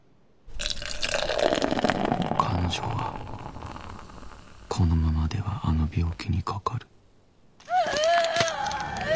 彼女はこのままではあの病気にかかるウゥアッアァ！